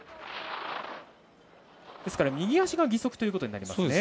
ですから右足が義足ということになります。